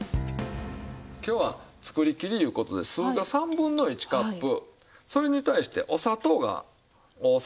今日は作りきりいう事で酢が３分の１カップそれに対してお砂糖が大さじ１。